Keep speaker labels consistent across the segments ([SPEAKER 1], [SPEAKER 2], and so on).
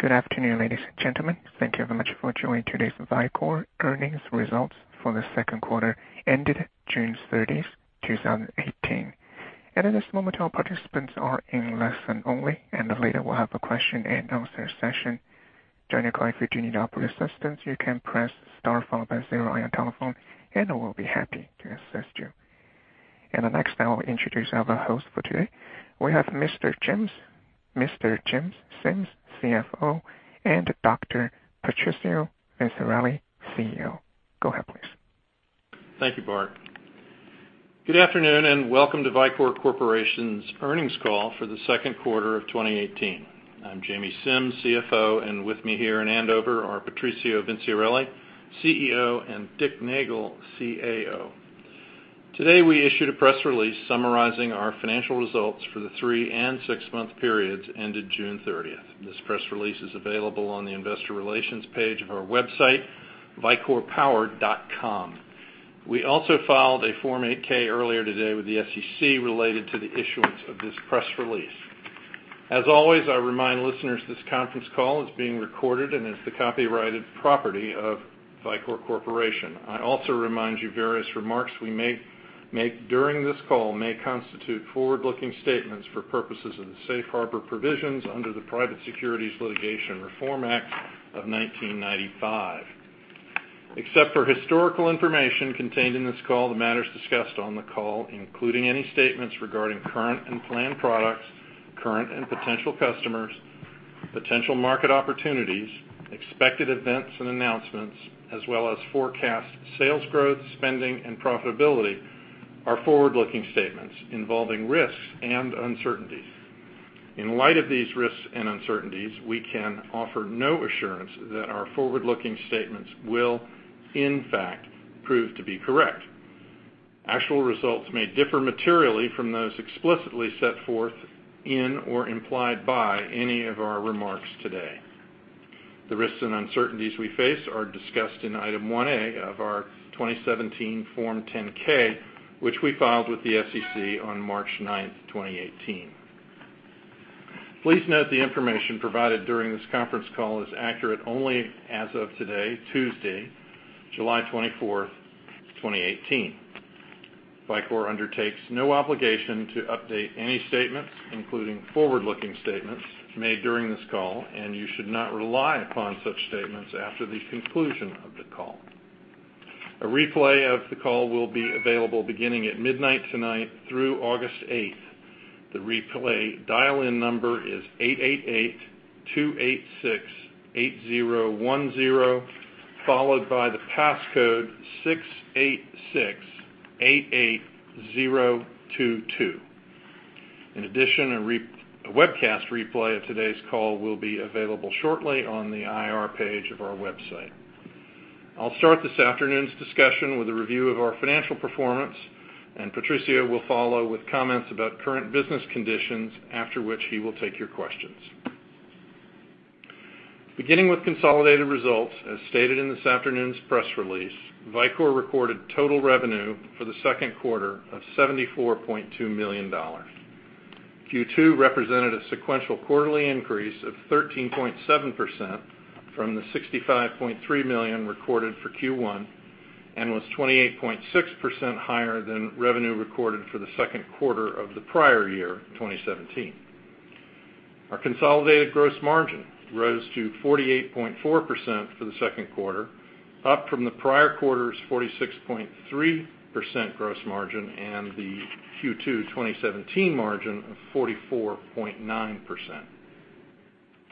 [SPEAKER 1] Good afternoon, ladies and gentlemen. Thank you very much for joining today's Vicor earnings results for the second quarter ended June 30, 2018. At this moment, all participants are in listen only, and later we'll have a question and answer session. During the call, if you do need operator assistance, you can press star followed by zero on your telephone, and we'll be happy to assist you. Next, I will introduce our host for today. We have Mr. James Schmidt, CFO, and Dr. Patrizio Vinciarelli, CEO. Go ahead, please.
[SPEAKER 2] Thank you, Mark. Good afternoon and welcome to Vicor Corporation's earnings call for the second quarter of 2018. I'm Jamie Schmidt, CFO, and with me here in Andover are Patrizio Vinciarelli, CEO, and Dick Nagel, CAO. Today, we issued a press release summarizing our financial results for the three and six-month periods ended June 30. This press release is available on the investor relations page of our website, vicorpower.com. We also filed a Form 8-K earlier today with the SEC related to the issuance of this press release. As always, I remind listeners this conference call is being recorded and is the copyrighted property of Vicor Corporation. I also remind you various remarks we may make during this call may constitute forward-looking statements for purposes of the safe harbor provisions under the Private Securities Litigation Reform Act of 1995. Except for historical information contained in this call, the matters discussed on the call, including any statements regarding current and planned products, current and potential customers, potential market opportunities, expected events and announcements, as well as forecast sales growth, spending, and profitability, are forward-looking statements involving risks and uncertainties. In light of these risks and uncertainties, we can offer no assurance that our forward-looking statements will in fact prove to be correct. Actual results may differ materially from those explicitly set forth in or implied by any of our remarks today. The risks and uncertainties we face are discussed in Item 1A of our 2017 Form 10-K, which we filed with the SEC on March 9, 2018. Please note the information provided during this conference call is accurate only as of today, Tuesday, July 24, 2018. Vicor undertakes no obligation to update any statements, including forward-looking statements made during this call, you should not rely upon such statements after the conclusion of the call. A replay of the call will be available beginning at midnight tonight through August 8. The replay dial-in number is 888-286-8010, followed by the passcode 68688022. In addition, a webcast replay of today's call will be available shortly on the IR page of our website. I'll start this afternoon's discussion with a review of our financial performance, and Patrizio will follow with comments about current business conditions, after which he will take your questions. Beginning with consolidated results, as stated in this afternoon's press release, Vicor recorded total revenue for the second quarter of $74.2 million. Q2 represented a sequential quarterly increase of 13.7% from the $65.3 million recorded for Q1, and was 28.6% higher than revenue recorded for the second quarter of the prior year, 2017. Our consolidated gross margin rose to 48.4% for the second quarter, up from the prior quarter's 46.3% gross margin and the Q2 2017 margin of 44.9%.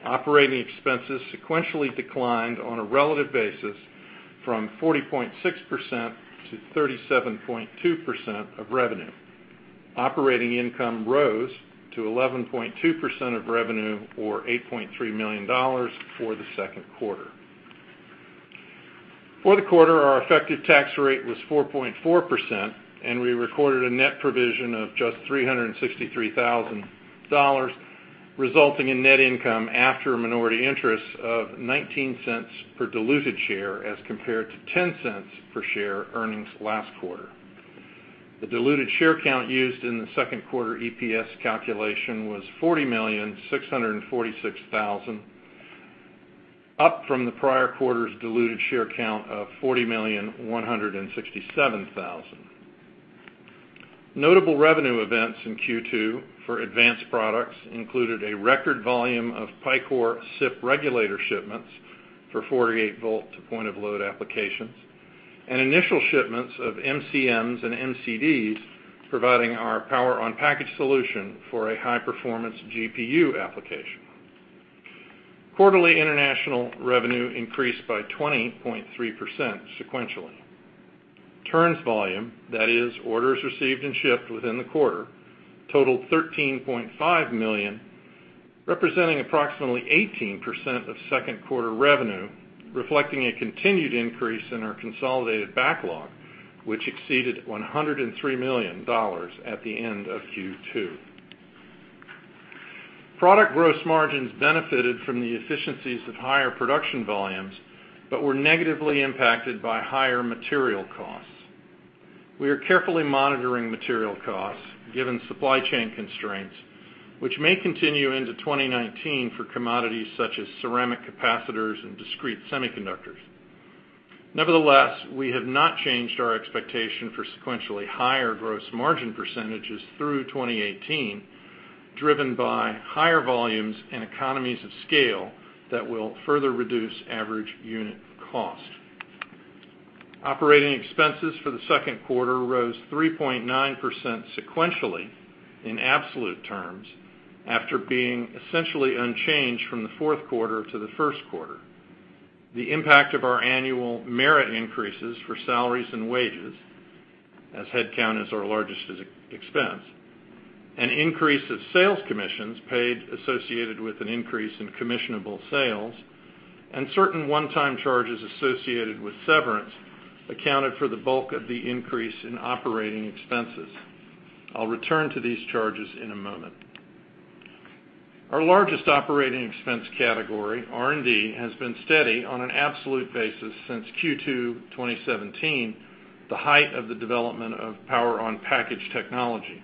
[SPEAKER 2] Operating expenses sequentially declined on a relative basis from 40.6% to 37.2% of revenue. Operating income rose to 11.2% of revenue, or $8.3 million for the second quarter. For the quarter, our effective tax rate was 4.4%, and we recorded a net provision of just $363,000, resulting in net income after minority interests of $0.19 per diluted share, as compared to $0.10 per share earnings last quarter. The diluted share count used in the second quarter EPS calculation was 40,646,000, up from the prior quarter's diluted share count of 40,167,000. Notable revenue events in Q2 for advanced products included a record volume of Picor SIP regulator shipments for 48-volt to point-of-load applications, and initial shipments of MCMs and MCDs, providing our Power-on-Package solution for a high-performance GPU application. Quarterly international revenue increased by 20.3% sequentially. Turns volume, that is orders received and shipped within the quarter, totaled $13.5 million, representing approximately 18% of second quarter revenue, reflecting a continued increase in our consolidated backlog, which exceeded $103 million at the end of Q2. Product gross margins benefited from the efficiencies of higher production volumes, but were negatively impacted by higher material costs. We are carefully monitoring material costs, given supply chain constraints, which may continue into 2019 for commodities such as ceramic capacitors and discrete semiconductors. We have not changed our expectation for sequentially higher gross margin percentages through 2018, driven by higher volumes and economies of scale that will further reduce average unit cost. Operating expenses for the second quarter rose 3.9% sequentially in absolute terms, after being essentially unchanged from the fourth quarter to the first quarter. The impact of our annual merit increases for salaries and wages, as headcount is our largest expense, an increase of sales commissions paid associated with an increase in commissionable sales, and certain one-time charges associated with severance accounted for the bulk of the increase in operating expenses. I'll return to these charges in a moment. Our largest operating expense category, R&D, has been steady on an absolute basis since Q2 2017, the height of the development of Power-on-Package technology.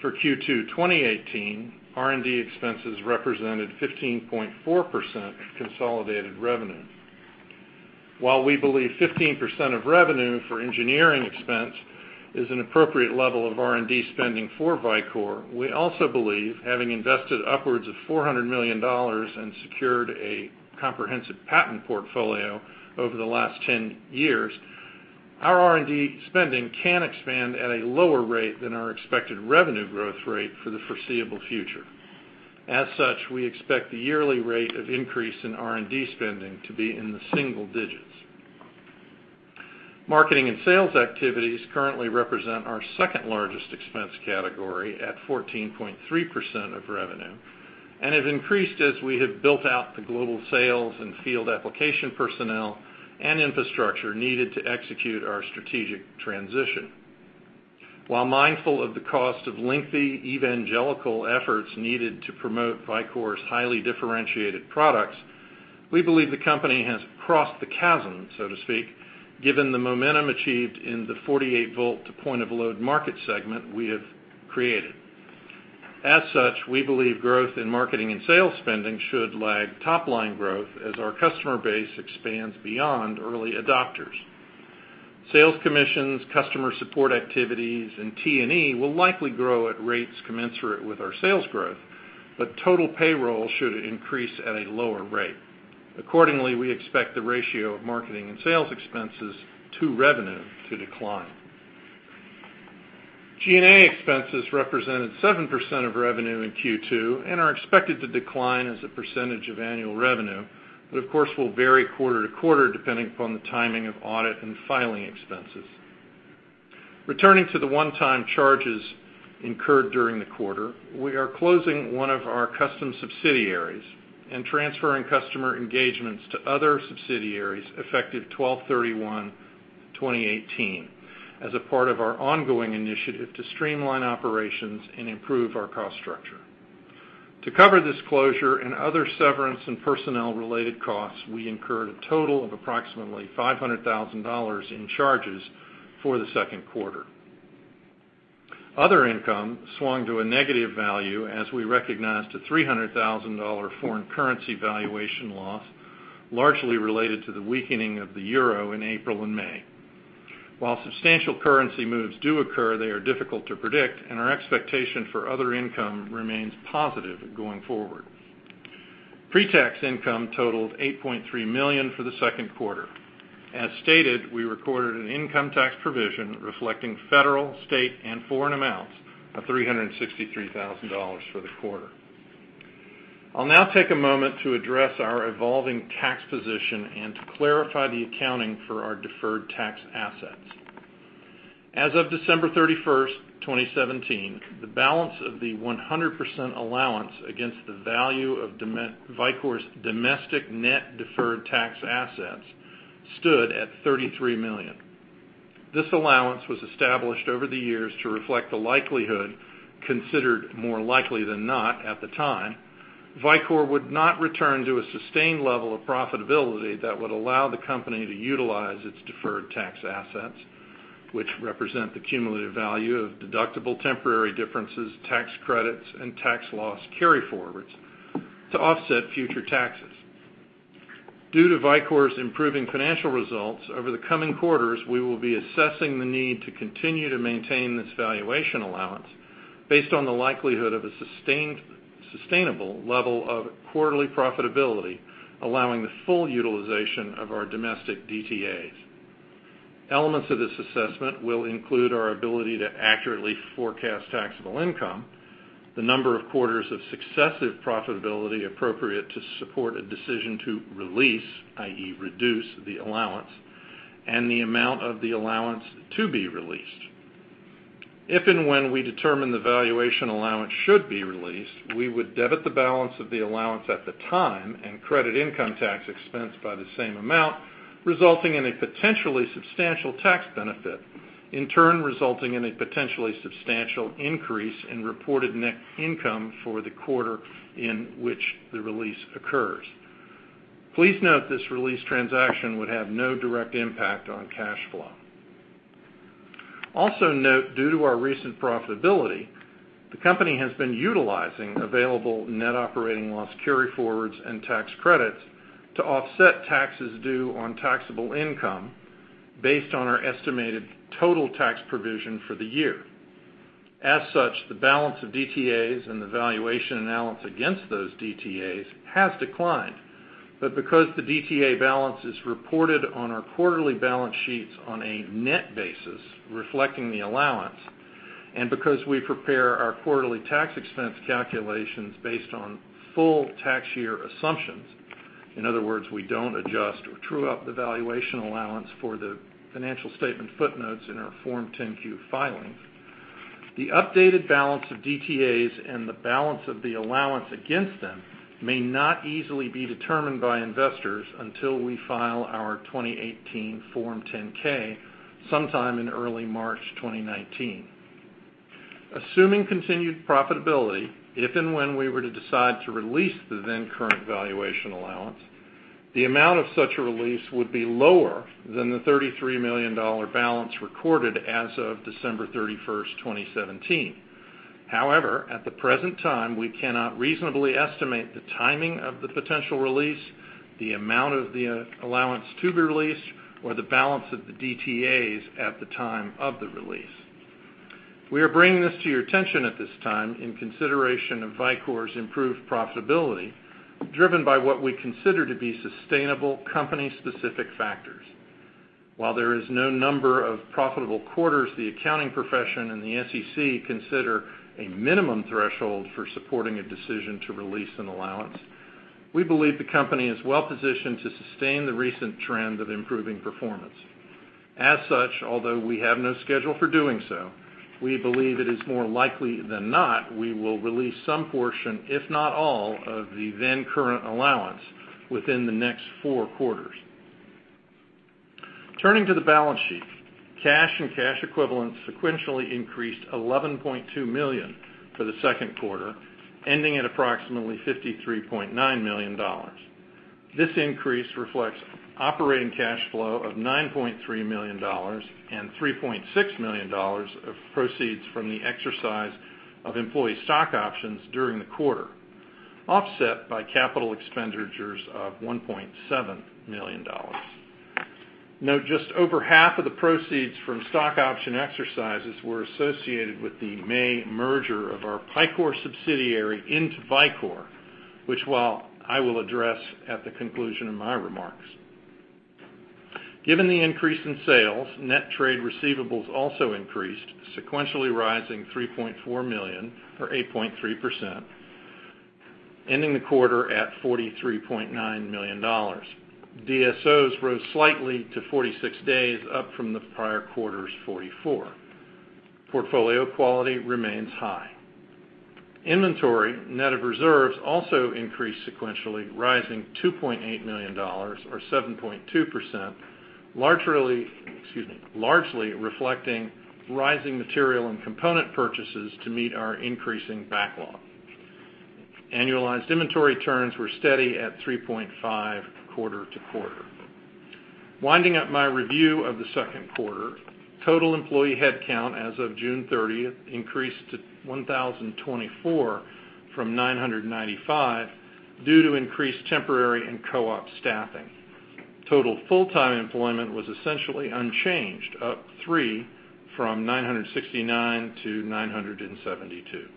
[SPEAKER 2] For Q2 2018, R&D expenses represented 15.4% of consolidated revenue. We believe 15% of revenue for engineering expense is an appropriate level of R&D spending for Vicor, we also believe, having invested upwards of $400 million and secured a comprehensive patent portfolio over the last 10 years, our R&D spending can expand at a lower rate than our expected revenue growth rate for the foreseeable future. As such, we expect the yearly rate of increase in R&D spending to be in the single digits. Marketing and sales activities currently represent our second-largest expense category at 14.3% of revenue and have increased as we have built out the global sales and field application personnel and infrastructure needed to execute our strategic transition. While mindful of the cost of lengthy evangelical efforts needed to promote Vicor's highly differentiated products, we believe the company has crossed the chasm, so to speak, given the momentum achieved in the 48V to point-of-load market segment we have created. As such, we believe growth in marketing and sales spending should lag top-line growth as our customer base expands beyond early adopters. Sales commissions, customer support activities, and T&E will likely grow at rates commensurate with our sales growth, but total payroll should increase at a lower rate. Accordingly, we expect the ratio of marketing and sales expenses to revenue to decline. G&A expenses represented 7% of revenue in Q2 and are expected to decline as a percentage of annual revenue, but of course, will vary quarter-to-quarter depending upon the timing of audit and filing expenses. Returning to the one-time charges incurred during the quarter, we are closing one of our custom subsidiaries and transferring customer engagements to other subsidiaries effective 12/31/2018 as a part of our ongoing initiative to streamline operations and improve our cost structure. To cover this closure and other severance and personnel-related costs, we incurred a total of approximately $500,000 in charges for the second quarter. Other income swung to a negative value as we recognized a $300,000 foreign currency valuation loss, largely related to the weakening of the euro in April and May. While substantial currency moves do occur, they are difficult to predict, and our expectation for other income remains positive going forward. Pre-tax income totaled $8.3 million for the second quarter. As stated, we recorded an income tax provision reflecting federal, state, and foreign amounts of $363,000 for the quarter. I'll now take a moment to address our evolving tax position and to clarify the accounting for our deferred tax assets. As of December 31st, 2017, the balance of the 100% allowance against the value of Vicor's domestic net deferred tax assets stood at $33 million. This allowance was established over the years to reflect the likelihood, considered more likely than not at the time, Vicor would not return to a sustained level of profitability that would allow the company to utilize its deferred tax assets, which represent the cumulative value of deductible temporary differences, tax credits, and tax loss carryforwards to offset future taxes. Due to Vicor's improving financial results, over the coming quarters, we will be assessing the need to continue to maintain this valuation allowance based on the likelihood of a sustainable level of quarterly profitability, allowing the full utilization of our domestic DTAs. Elements of this assessment will include our ability to accurately forecast taxable income, the number of quarters of successive profitability appropriate to support a decision to release, i.e., reduce, the allowance, and the amount of the allowance to be released. If and when we determine the valuation allowance should be released, we would debit the balance of the allowance at the time and credit income tax expense by the same amount, resulting in a potentially substantial tax benefit, in turn, resulting in a potentially substantial increase in reported net income for the quarter in which the release occurs. Please note this release transaction would have no direct impact on cash flow. Also note, due to our recent profitability, the company has been utilizing available net operating loss carryforwards and tax credits to offset taxes due on taxable income based on our estimated total tax provision for the year. As such, the balance of DTAs and the valuation allowance against those DTAs has declined. Because the DTA balance is reported on our quarterly balance sheets on a net basis, reflecting the allowance, and because we prepare our quarterly tax expense calculations based on full tax year assumptions, in other words, we don't adjust or true up the valuation allowance for the financial statement footnotes in our Form 10-Q filing, the updated balance of DTAs and the balance of the allowance against them may not easily be determined by investors until we file our 2018 Form 10-K sometime in early March 2019. Assuming continued profitability, if and when we were to decide to release the then current valuation allowance, the amount of such a release would be lower than the $33 million balance recorded as of December 31st, 2017. However, at the present time, we cannot reasonably estimate the timing of the potential release, the amount of the allowance to be released, or the balance of the DTAs at the time of the release. We are bringing this to your attention at this time in consideration of Vicor's improved profitability, driven by what we consider to be sustainable company-specific factors. While there is no number of profitable quarters the accounting profession and the SEC consider a minimum threshold for supporting a decision to release an allowance, we believe the company is well positioned to sustain the recent trend of improving performance. As such, although we have no schedule for doing so, we believe it is more likely than not we will release some portion, if not all, of the then current allowance within the next four quarters. Turning to the balance sheet, cash and cash equivalents sequentially increased $11.2 million for the second quarter, ending at approximately $53.9 million. This increase reflects operating cash flow of $9.3 million and $3.6 million of proceeds from the exercise of employee stock options during the quarter, offset by capital expenditures of $1.7 million. Note just over half of the proceeds from stock option exercises were associated with the May merger of our Picor subsidiary into Vicor, which I will address at the conclusion of my remarks. Given the increase in sales, net trade receivables also increased, sequentially rising $3.4 million or 8.3%, ending the quarter at $43.9 million. DSOs rose slightly to 46 days, up from the prior quarter's 44. Portfolio quality remains high. Inventory, net of reserves, also increased sequentially, rising $2.8 million or 7.2%, largely reflecting rising material and component purchases to meet our increasing backlog. Annualized inventory turns were steady at 3.5 quarter to quarter. Winding up my review of the second quarter, total employee headcount as of June 30th increased to 1,024 from 995 due to increased temporary and co-op staffing. Total full-time employment was essentially unchanged, up three from 969 to 972.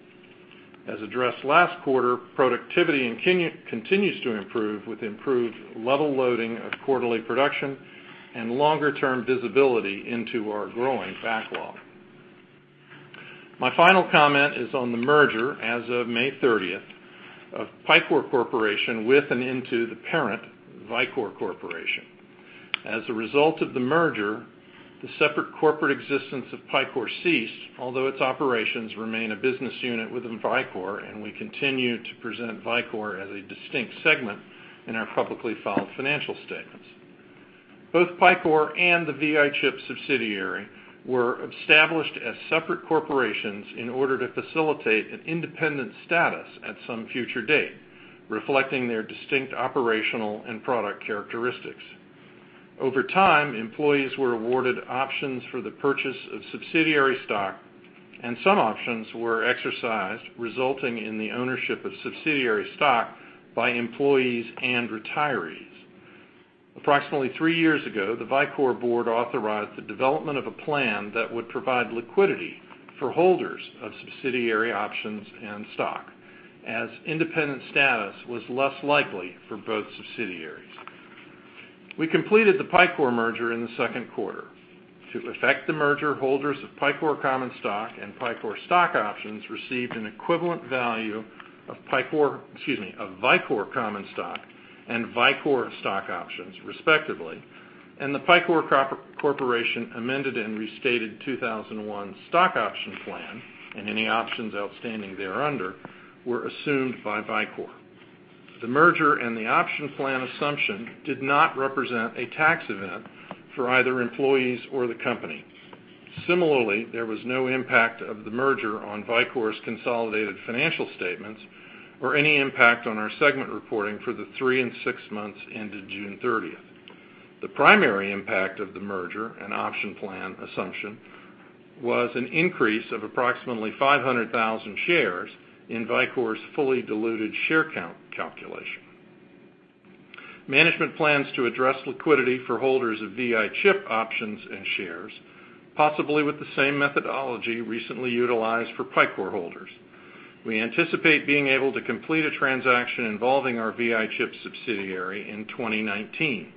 [SPEAKER 2] As addressed last quarter, productivity continues to improve with improved level loading of quarterly production and longer term visibility into our growing backlog. My final comment is on the merger as of May 30th of Picor Corporation with and into the parent, Vicor Corporation. As a result of the merger, the separate corporate existence of Picor ceased, although its operations remain a business unit within Vicor, and we continue to present Vicor as a distinct segment in our publicly filed financial statements. Both Picor and the VI Chip subsidiary were established as separate corporations in order to facilitate an independent status at some future date, reflecting their distinct operational and product characteristics. Over time, employees were awarded options for the purchase of subsidiary stock, and some options were exercised, resulting in the ownership of subsidiary stock by employees and retirees. Approximately three years ago, the Vicor Board authorized the development of a plan that would provide liquidity for holders of subsidiary options and stock, as independent status was less likely for both subsidiaries. We completed the Picor merger in the second quarter. To effect the merger, holders of Picor common stock and Picor stock options received an equivalent value of Vicor common stock and Vicor stock options, respectively, and the Picor Corporation Amended and Restated 2001 Stock Option Plan, and any options outstanding thereunder were assumed by Vicor. The merger and the option plan assumption did not represent a tax event for either employees or the company. Similarly, there was no impact of the merger on Vicor's consolidated financial statements or any impact on our segment reporting for the three and six months ended June 30th. The primary impact of the merger and option plan assumption was an increase of approximately 500,000 shares in Vicor's fully diluted share count calculation. Management plans to address liquidity for holders of VI Chip options and shares, possibly with the same methodology recently utilized for Picor holders. We anticipate being able to complete a transaction involving our VI Chip subsidiary in 2019.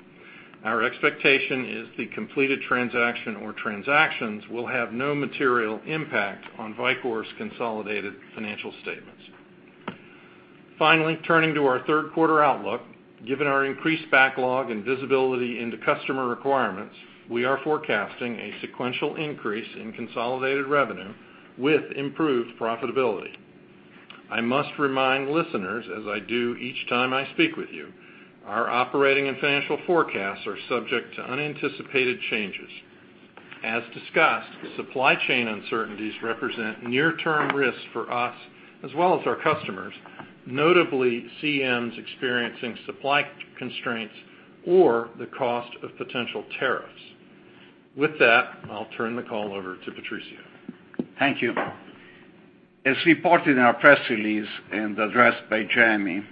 [SPEAKER 2] Our expectation is the completed transaction or transactions will have no material impact on Vicor's consolidated financial statements. Finally, turning to our third quarter outlook. Given our increased backlog and visibility into customer requirements, we are forecasting a sequential increase in consolidated revenue with improved profitability. I must remind listeners, as I do each time I speak with you, our operating and financial forecasts are subject to unanticipated changes. As discussed, supply chain uncertainties represent near-term risks for us as well as our customers, notably CMs experiencing supply constraints or the cost of potential tariffs. With that, I'll turn the call over to Patrizio.
[SPEAKER 3] Thank you. As reported in our press release and addressed by Jamie,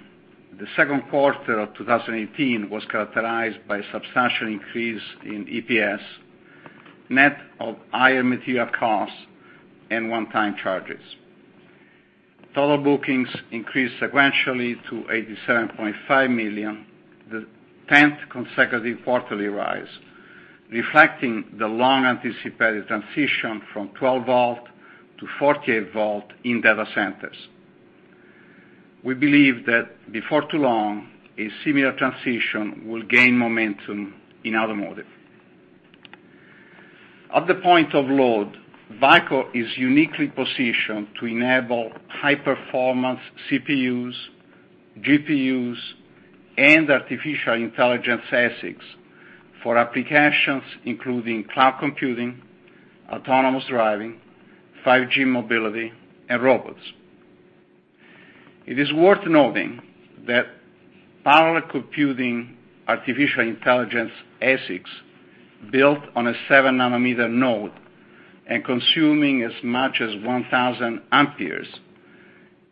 [SPEAKER 3] the second quarter of 2018 was characterized by a substantial increase in EPS, net of higher material costs and one-time charges. Total bookings increased sequentially to $87.5 million, the 10th consecutive quarterly rise, reflecting the long-anticipated transition from 12 volt to 48 volt in data centers. We believe that before too long, a similar transition will gain momentum in automotive. At the point-of-load, Vicor is uniquely positioned to enable high-performance CPUs, GPUs, and artificial intelligence ASICs for applications including cloud computing, autonomous driving, 5G mobility, and robots. It is worth noting that parallel computing artificial intelligence ASICs built on a seven nanometer node and consuming as much as 1,000 amperes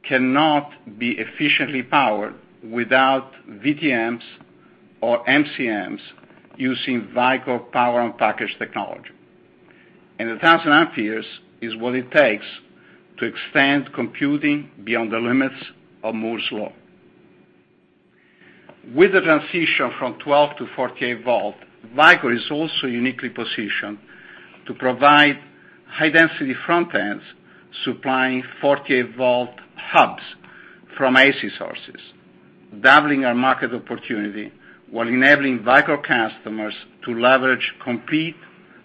[SPEAKER 3] cannot be efficiently powered without VTMs or MCMs using Vicor Power-on-Package technology. 1,000 amperes is what it takes to extend computing beyond the limits of Moore's Law. With the transition from 12 to 48 volt, Vicor is also uniquely positioned to provide high-density front ends supplying 48 volt hubs from AC sources, doubling our market opportunity while enabling Vicor customers to leverage complete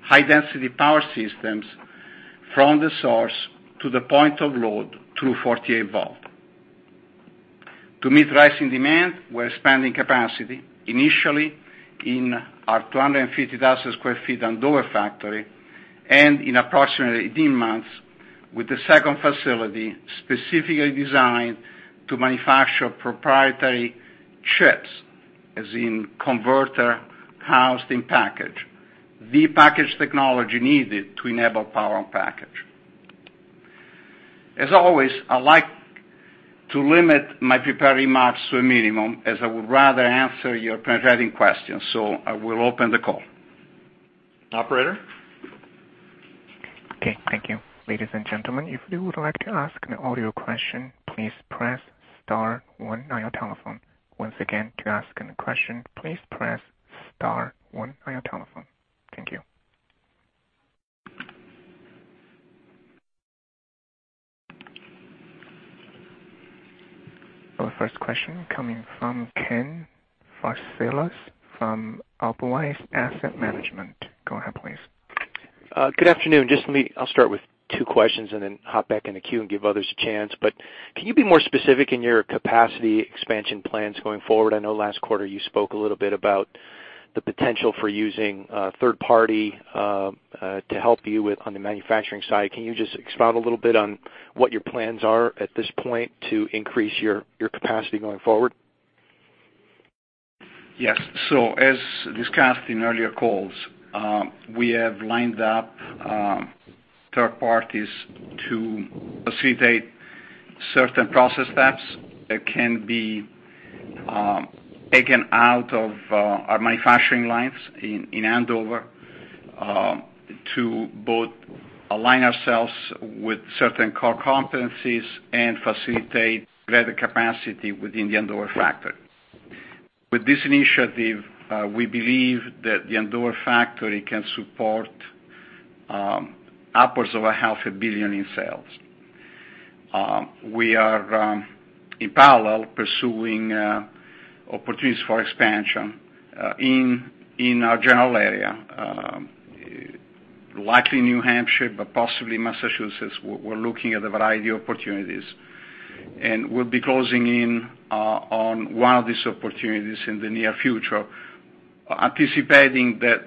[SPEAKER 3] high-density power systems from the source to the point-of-load through 48 volt. To meet rising demand, we're expanding capacity, initially in our 250,000 sq ft Andover factory, and in approximately 18 months with the second facility specifically designed to manufacture proprietary Converter housed in Package, the package technology needed to enable Power-on-Package. As always, I like to limit my prepared remarks to a minimum, as I would rather answer your penetrating questions. I will open the call.
[SPEAKER 2] Operator?
[SPEAKER 1] Okay, thank you. Ladies and gentlemen, if you would like to ask an audio question, please press star one on your telephone. Once again, to ask any question, please press star one on your telephone. Thank you. Our first question coming from Ken Farsalas from Albawabe Asset Management. Go ahead, please.
[SPEAKER 4] Good afternoon. I'll start with two questions and then hop back in the queue and give others a chance. Can you be more specific in your capacity expansion plans going forward? I know last quarter you spoke a little bit about the potential for using a third party to help you on the manufacturing side. Can you just expound a little bit on what your plans are at this point to increase your capacity going forward?
[SPEAKER 3] Yes. As discussed in earlier calls, we have lined up third parties to facilitate certain process steps that can be taken out of our manufacturing lines in Andover to both align ourselves with certain core competencies and facilitate greater capacity within the Andover factory. With this initiative, we believe that the Andover factory can support upwards of a half a billion in sales. We are, in parallel, pursuing opportunities for expansion in our general area, likely New Hampshire, but possibly Massachusetts. We're looking at a variety of opportunities. We'll be closing in on one of these opportunities in the near future, anticipating that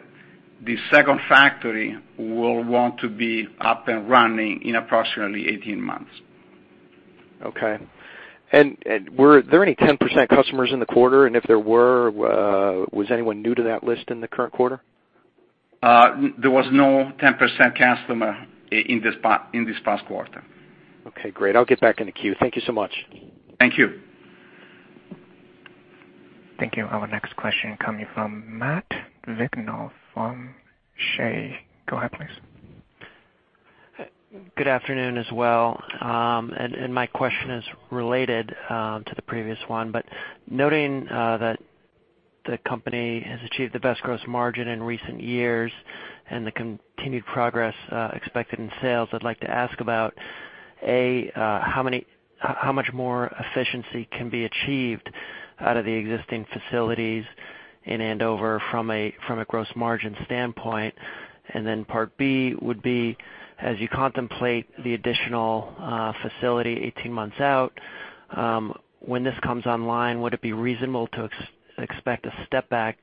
[SPEAKER 3] the second factory will want to be up and running in approximately 18 months.
[SPEAKER 4] Okay. Were there any 10% customers in the quarter? If there were, was anyone new to that list in the current quarter?
[SPEAKER 3] There was no 10% customer in this past quarter.
[SPEAKER 4] Okay, great. I'll get back in the queue. Thank you so much.
[SPEAKER 3] Thank you.
[SPEAKER 1] Thank you. Our next question coming from Matt Vignol from Shay. Go ahead, please.
[SPEAKER 5] Good afternoon as well. My question is related to the previous one, noting that the company has achieved the best gross margin in recent years and the continued progress expected in sales, I'd like to ask about, A, how much more efficiency can be achieved out of the existing facilities in Andover from a gross margin standpoint? Part B would be, as you contemplate the additional facility 18 months out, when this comes online, would it be reasonable to expect a step back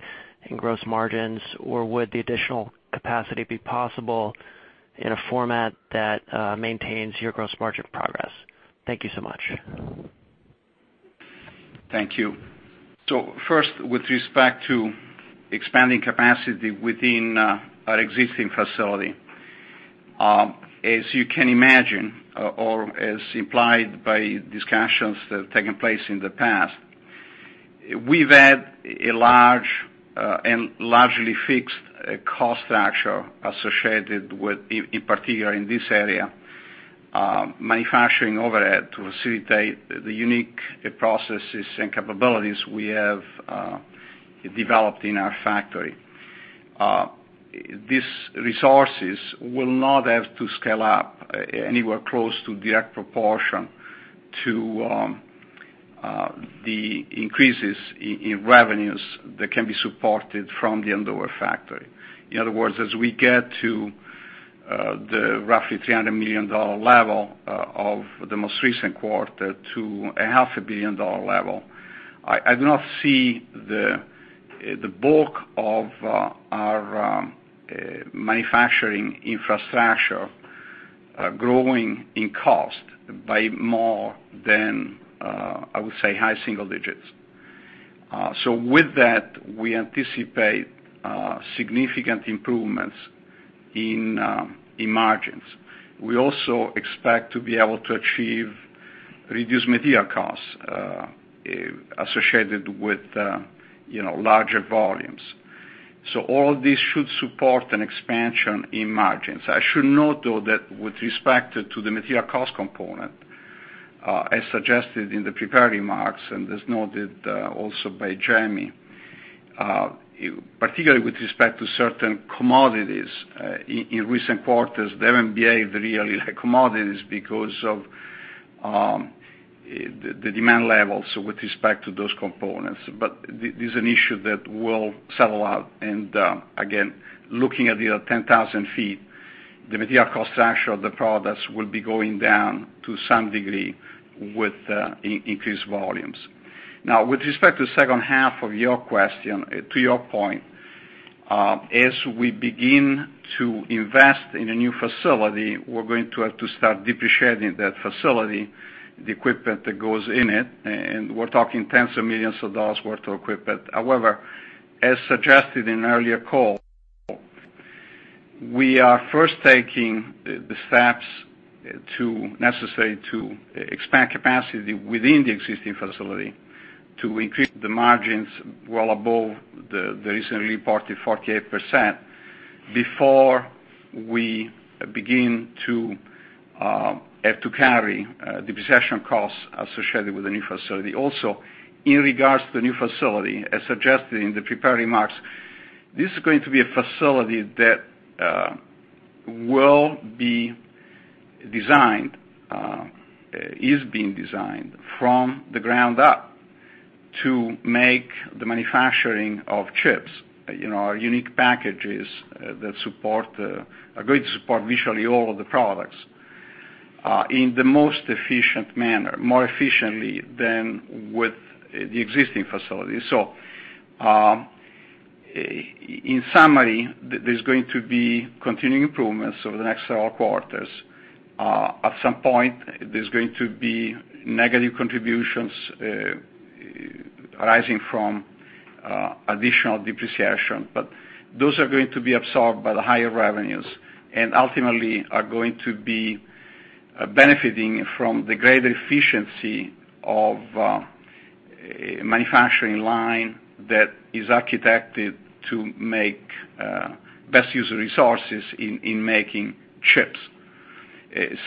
[SPEAKER 5] in gross margins, or would the additional capacity be possible in a format that maintains your gross margin progress? Thank you so much.
[SPEAKER 3] Thank you. First, with respect to expanding capacity within our existing facility. As you can imagine, or as implied by discussions that have taken place in the past, we've had a large and largely fixed cost structure associated with, in particular in this area, manufacturing overhead to facilitate the unique processes and capabilities we have developed in our factory. These resources will not have to scale up anywhere close to direct proportion to the increases in revenues that can be supported from the Andover factory. In other words, as we get to the roughly $300 million level of the most recent quarter to a half a billion dollar level, I do not see the bulk of our manufacturing infrastructure growing in cost by more than, I would say, high single digits. With that, we anticipate significant improvements in margins. We also expect to be able to achieve reduced material costs associated with larger volumes. All of this should support an expansion in margins. I should note, though, that with respect to the material cost component, as suggested in the prepared remarks, and as noted also by Jamie, particularly with respect to certain commodities, in recent quarters, they haven't behaved really like commodities because of the demand levels with respect to those components. This is an issue that will settle out and again, looking at it at 10,000 feet, the material cost structure of the products will be going down to some degree with increased volumes. With respect to the second half of your question, to your point, as we begin to invest in a new facility, we're going to have to start depreciating that facility, the equipment that goes in it, and we're talking tens of millions of dollars worth of equipment. However, as suggested in earlier call, we are first taking the steps necessary to expand capacity within the existing facility to increase the margins well above the recently reported 48%, before we begin to have to carry depreciation costs associated with the new facility. In regards to the new facility, as suggested in the prepared remarks, this is going to be a facility that is being designed from the ground up to make the manufacturing of chips, our unique packages that are going to support virtually all of the products, in the most efficient manner, more efficiently than with the existing facility. In summary, there's going to be continuing improvements over the next several quarters. At some point, there's going to be negative contributions arising from additional depreciation, but those are going to be absorbed by the higher revenues and ultimately are going to be benefiting from the greater efficiency of a manufacturing line that is architected to make best use of resources in making chips.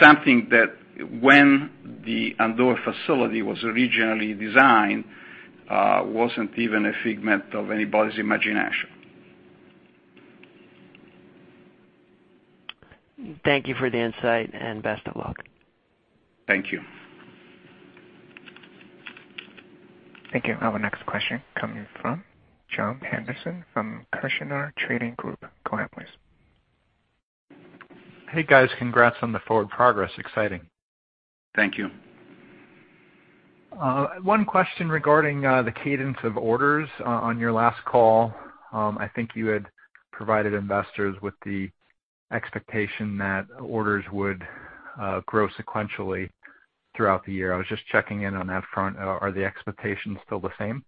[SPEAKER 3] Something that when the Andover facility was originally designed, wasn't even a figment of anybody's imagination.
[SPEAKER 5] Thank you for the insight, and best of luck.
[SPEAKER 3] Thank you.
[SPEAKER 1] Thank you. Our next question coming from John Henderson from Kershner Trading Group. Go ahead, please.
[SPEAKER 6] Hey, guys. Congrats on the forward progress. Exciting.
[SPEAKER 3] Thank you.
[SPEAKER 6] One question regarding the cadence of orders on your last call. I think you had provided investors with the expectation that orders would grow sequentially throughout the year. I was just checking in on that front. Are the expectations still the same?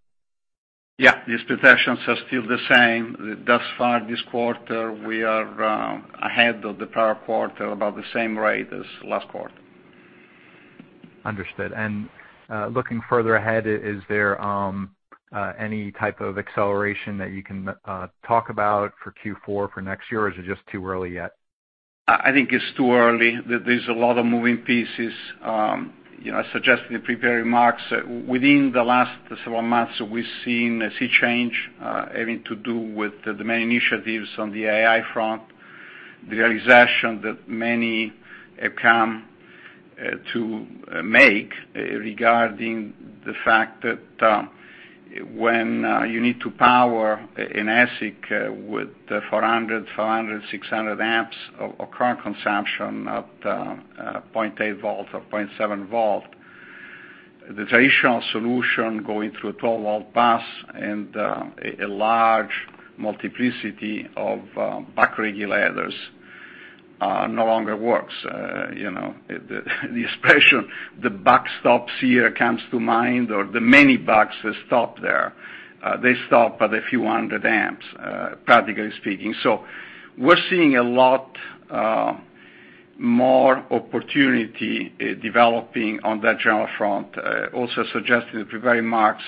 [SPEAKER 3] Yeah, the expectations are still the same. Thus far this quarter, we are ahead of the prior quarter, about the same rate as last quarter.
[SPEAKER 6] Understood. Looking further ahead, is there any type of acceleration that you can talk about for Q4 for next year? Is it just too early yet?
[SPEAKER 3] I think it's too early. There's a lot of moving pieces. I suggested in the prepared remarks, within the last several months, we've seen a sea change, having to do with the main initiatives on the AI front, the realization that many have come to make regarding the fact that when you need to power an ASIC with 400, 500, 600 amps of current consumption at 0.8 volt or 0.7 volt, the traditional solution going through a 12-volt bus and a large multiplicity of buck regulators no longer works. The expression the buck stops here comes to mind, or the many bucks stop there. They stop at a few hundred amps, practically speaking. We're seeing a lot more opportunity developing on that general front. Also suggested in the prepared remarks,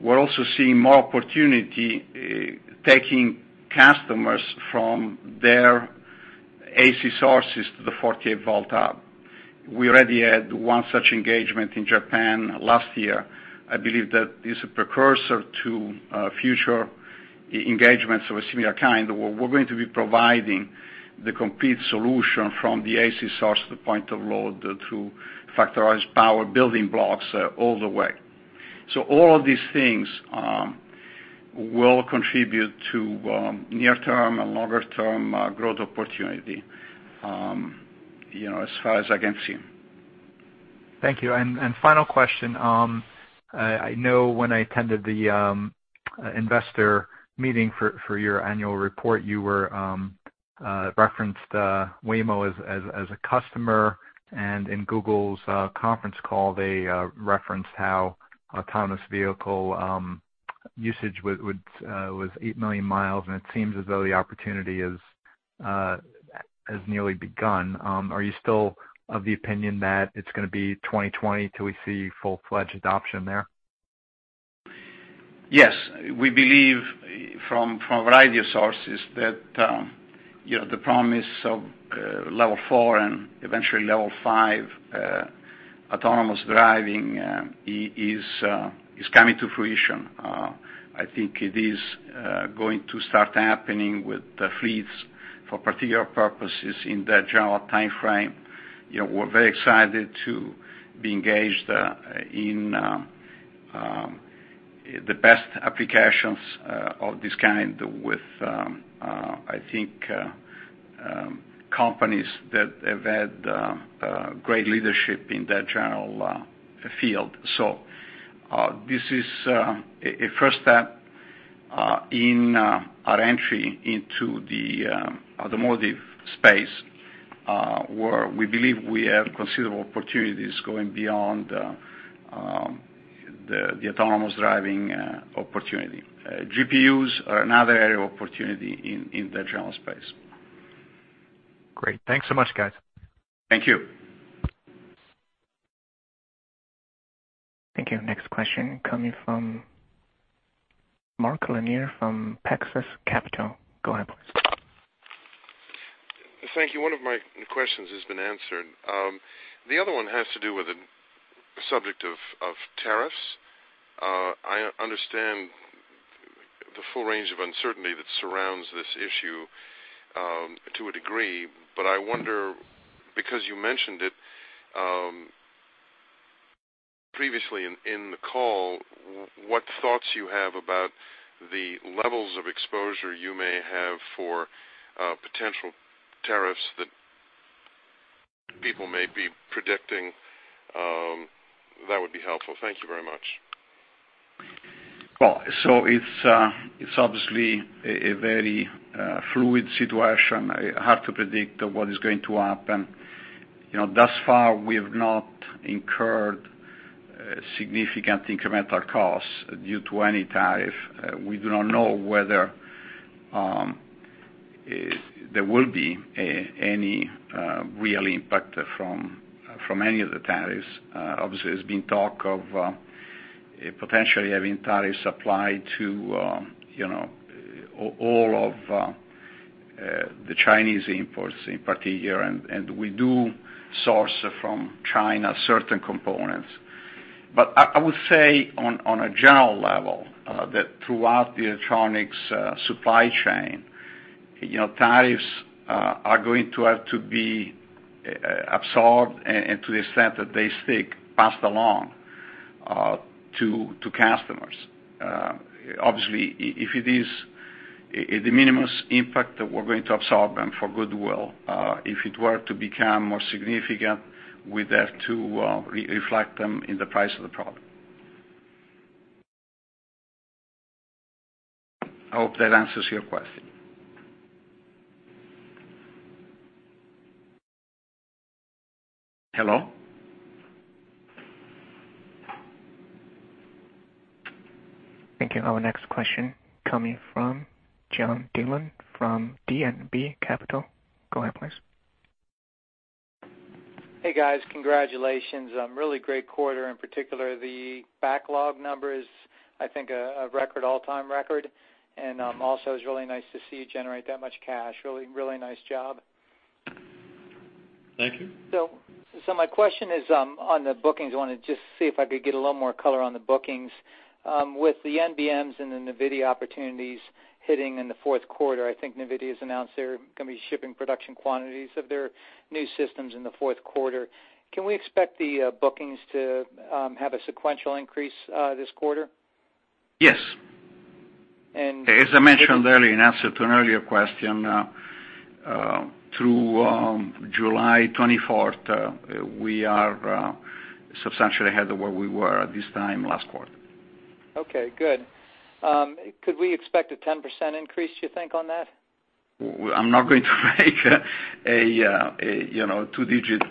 [SPEAKER 3] we're also seeing more opportunity taking customers from their AC sources to the 48 volt hub. We already had one such engagement in Japan last year. I believe that is a precursor to future engagements of a similar kind, where we're going to be providing the complete solution from the AC source to the point of load through Factorized Power building blocks all the way. All of these things will contribute to near-term and longer-term growth opportunity, as far as I can see.
[SPEAKER 6] Thank you. Final question. I know when I attended the investor meeting for your annual report, you referenced Waymo as a customer. In Google's conference call, they referenced how autonomous vehicle usage was 8 million miles, and it seems as though the opportunity has nearly begun. Are you still of the opinion that it's going to be 2020 till we see full-fledged adoption there?
[SPEAKER 3] Yes. We believe from a variety of sources that the promise of level 4 and eventually level 5 autonomous driving is coming to fruition. I think it is going to start happening with fleets for particular purposes in that general timeframe. We're very excited to be engaged in the best applications of this kind with companies that have had great leadership in that general field. This is a first step in our entry into the automotive space, where we believe we have considerable opportunities going beyond the autonomous driving opportunity. GPUs are another area of opportunity in the general space.
[SPEAKER 6] Great. Thanks so much, guys.
[SPEAKER 3] Thank you.
[SPEAKER 1] Thank you. Next question coming from Mark Lanier from Paxos Capital. Go ahead, please.
[SPEAKER 7] Thank you. One of my questions has been answered. The other one has to do with the subject of tariffs. I understand the full range of uncertainty that surrounds this issue to a degree, but I wonder, because you mentioned it previously in the call, what thoughts you have about the levels of exposure you may have for potential tariffs that people may be predicting. That would be helpful. Thank you very much.
[SPEAKER 3] Well, it's obviously a very fluid situation, hard to predict what is going to happen. Thus far, we have not incurred significant incremental costs due to any tariff. We do not know whether there will be any real impact from any of the tariffs. Obviously, there's been talk of potentially having tariffs applied to all of the Chinese imports in particular, and we do source from China certain components. I would say on a general level, that throughout the electronics supply chain Tariffs are going to have to be absorbed, and to the extent that they stick, passed along to customers. Obviously, if it is the minimum impact that we're going to absorb them for goodwill. If it were to become more significant, we'd have to reflect them in the price of the product. I hope that answers your question. Hello?
[SPEAKER 1] Thank you. Our next question coming from John Dillon from DNB Capital. Go ahead, please.
[SPEAKER 8] Hey, guys. Congratulations on a really great quarter. In particular, the backlog numbers, I think a all-time record. Also, it's really nice to see you generate that much cash. Really nice job.
[SPEAKER 3] Thank you.
[SPEAKER 8] My question is on the bookings. I wanted to just see if I could get a little more color on the bookings. With the NBM and the Nvidia opportunities hitting in the fourth quarter, I think Nvidia's announced they're going to be shipping production quantities of their new systems in the fourth quarter. Can we expect the bookings to have a sequential increase this quarter?
[SPEAKER 3] Yes.
[SPEAKER 8] And-
[SPEAKER 3] As I mentioned early in answer to an earlier question, through July 24th, we are substantially ahead of where we were at this time last quarter.
[SPEAKER 8] Okay, good. Could we expect a 10% increase, do you think, on that?
[SPEAKER 3] I'm not going to make a two-digit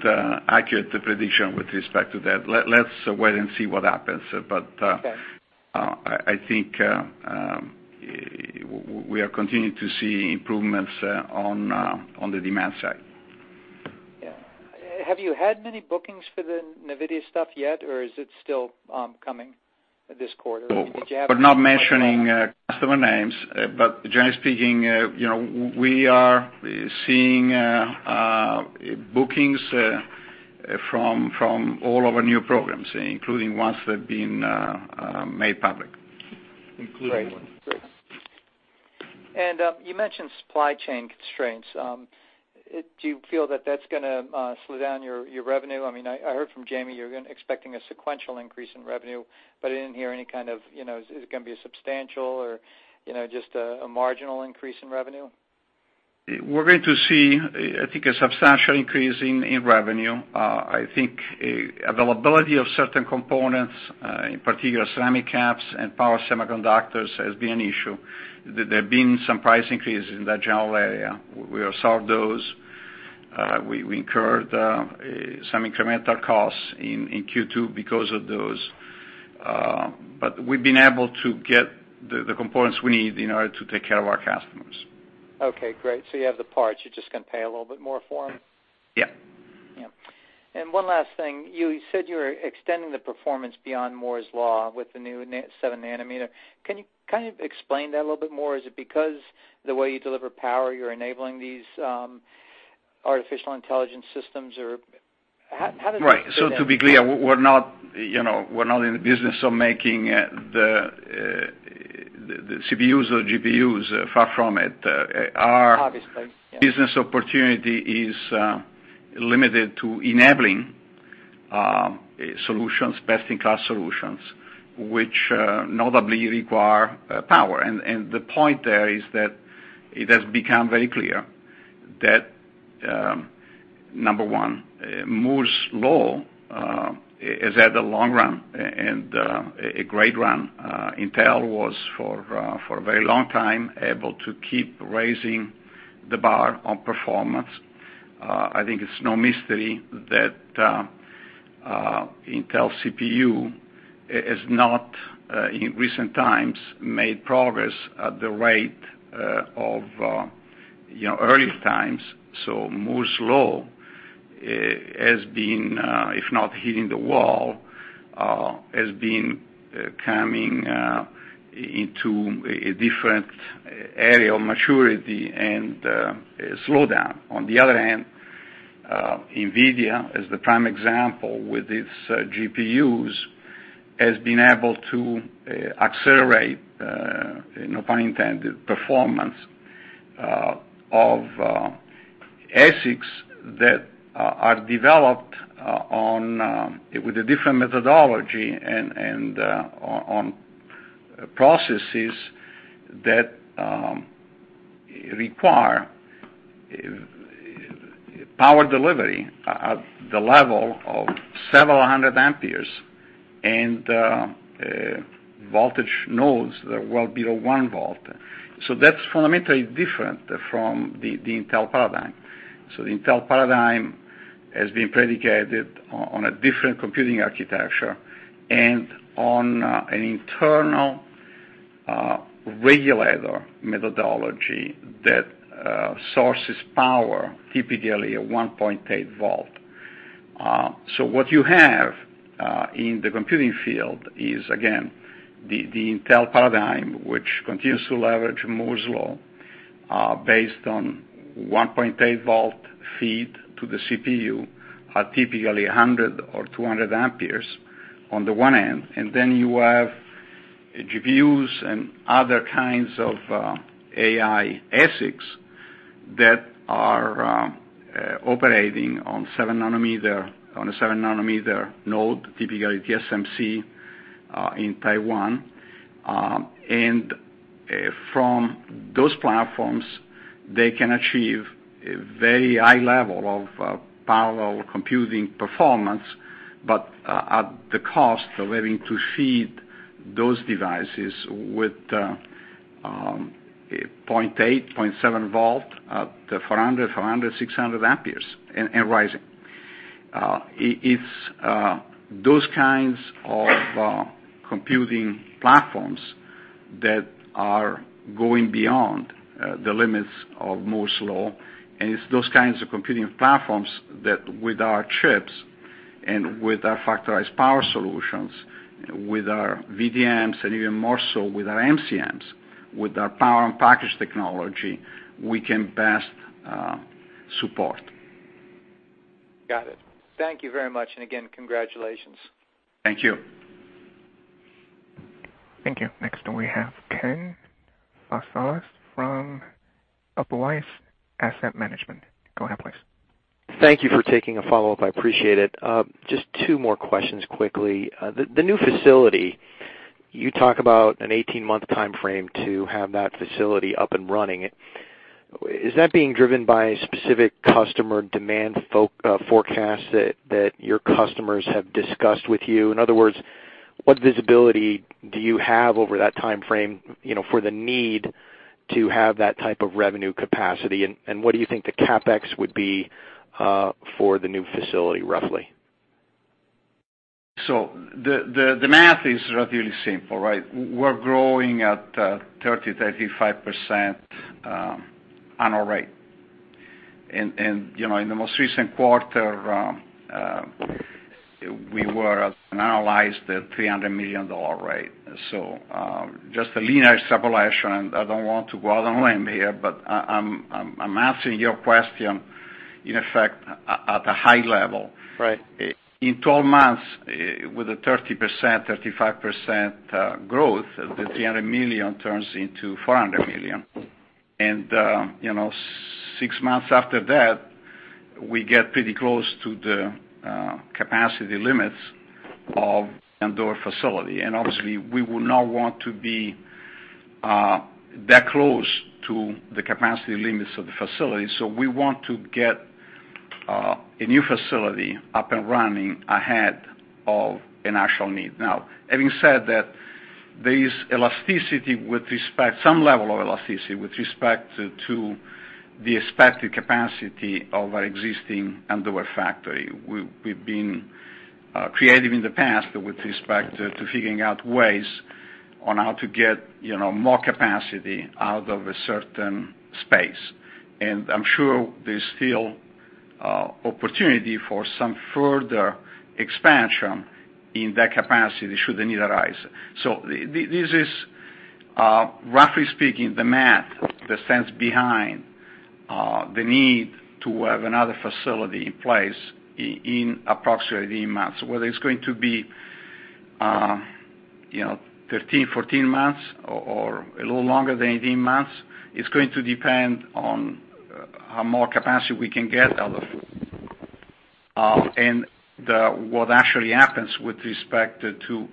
[SPEAKER 3] accurate prediction with respect to that. Let's wait and see what happens.
[SPEAKER 8] Okay.
[SPEAKER 3] I think we are continuing to see improvements on the demand side.
[SPEAKER 8] Yeah. Have you had many bookings for the Nvidia stuff yet, or is it still coming this quarter?
[SPEAKER 3] We're not mentioning customer names. Generally speaking, we are seeing bookings from all of our new programs, including ones that have been made public.
[SPEAKER 8] Including one. Great. You mentioned supply chain constraints. Do you feel that that's going to slow down your revenue? I heard from Jamie you're expecting a sequential increase in revenue. I didn't hear any kind of, is it going to be a substantial or just a marginal increase in revenue?
[SPEAKER 3] We're going to see, I think, a substantial increase in revenue. I think availability of certain components, in particular ceramic caps and power semiconductors, has been an issue. There have been some price increases in that general area. We have solved those. We incurred some incremental costs in Q2 because of those. We've been able to get the components we need in order to take care of our customers.
[SPEAKER 8] Okay, great. You have the parts, you're just going to pay a little bit more for them?
[SPEAKER 3] Yeah.
[SPEAKER 8] One last thing. You said you were extending the performance beyond Moore's Law with the new seven nanometer. Can you explain that a little bit more? Is it because the way you deliver power, you're enabling these artificial intelligence systems? How does that fit into-
[SPEAKER 3] Right. To be clear, we're not in the business of making the CPUs or GPUs, far from it.
[SPEAKER 8] Obviously, yeah.
[SPEAKER 3] Our business opportunity is limited to enabling solutions, best-in-class solutions, which notably require power. The point there is that it has become very clear that, number one, Moore's Law has had a long run and a great run. Intel was, for a very long time, able to keep raising the bar on performance. I think it's no mystery that Intel CPU has not, in recent times, made progress at the rate of early times. Moore's Law has been, if not hitting the wall, has been coming into a different area of maturity and slow down. On the other hand, Nvidia, as the prime example with its GPUs, has been able to accelerate, no pun intended, performance of ASICs that are developed with a different methodology and on processes that require power delivery at the level of several hundred amperes and voltage nodes that are well below one volt. That's fundamentally different from the Intel paradigm. The Intel paradigm has been predicated on a different computing architecture and on an internal regulator methodology that sources power, typically at 1.8 volt. What you have in the computing field is, again, the Intel paradigm, which continues to leverage Moore's Law, based on 1.8 volt feed to the CPU at typically 100 or 200 amperes on the one end. Then you have GPUs and other kinds of AI ASICs that are operating on a seven nanometer node, typically at TSMC in Taiwan. From those platforms, they can achieve a very high level of parallel computing performance, but at the cost of having to feed those devices with 0.8, 0.7 volt at the 400, 500, 600 amperes and rising. It's those kinds of computing platforms that are going beyond the limits of Moore's Law, it's those kinds of computing platforms that, with our chips and with our Factorized Power solutions, with our VTMs, and even more so with our MCMs, with our Power-on-Package technology, we can best support.
[SPEAKER 8] Got it. Thank you very much. Again, congratulations.
[SPEAKER 3] Thank you.
[SPEAKER 1] Thank you. Next, we have Ken Farsalas from Albawaba Asset Management. Go ahead, please.
[SPEAKER 4] Thank you for taking a follow-up. I appreciate it. Just two more questions quickly. The new facility, you talk about an 18-month timeframe to have that facility up and running. Is that being driven by specific customer demand forecasts that your customers have discussed with you? In other words, what visibility do you have over that timeframe for the need to have that type of revenue capacity, and what do you think the CapEx would be for the new facility, roughly?
[SPEAKER 3] The math is relatively simple, right? We're growing at 30%-35% annual rate. In the most recent quarter, we were annualized at $300 million rate. Just a linear extrapolation, I don't want to go out on a limb here, but I'm answering your question, in effect, at a high level.
[SPEAKER 4] Right.
[SPEAKER 3] In 12 months, with a 30%-35% growth, the $300 million turns into $400 million. Six months after that, we get pretty close to the capacity limits of Andover facility. Obviously, we would not want to be that close to the capacity limits of the facility. We want to get a new facility up and running ahead of an actual need. Now, having said that, there is some level of elasticity with respect to the expected capacity of our existing Andover factory. We've been creative in the past with respect to figuring out ways on how to get more capacity out of a certain space. I'm sure there's still opportunity for some further expansion in that capacity should the need arise. This is roughly speaking, the math, the sense behind the need to have another facility in place in approximately 18 months. Whether it's going to be 13, 14 months or a little longer than 18 months, it's going to depend on how more capacity we can get out of it, and what actually happens with respect to